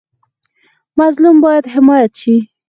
مظلوم باید حمایت شي